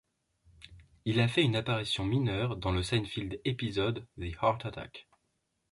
Il a fait une apparition mineure dans le Seinfeld épisode The Heart Attack.